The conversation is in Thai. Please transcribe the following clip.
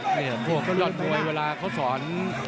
นี่พวกยอดมวยเวลาเค้าสอน